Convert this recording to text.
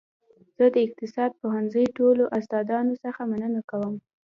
زه د اقتصاد پوهنځي ټولو استادانو څخه مننه کوم